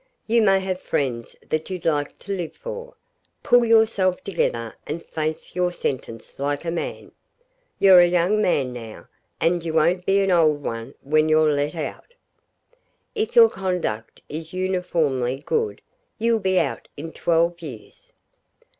You may have friends that you'd like to live for. Pull yourself together and face your sentence like a man. You're a young man now, and you won't be an old one when you're let out. If your conduct is uniformly good you'll be out in twelve years.